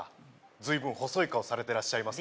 随分細い顔されてらっしゃいます